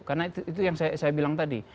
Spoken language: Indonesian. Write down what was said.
karena itu yang saya bilang tadi